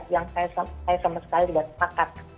yang saya sama sekali sudah terpakat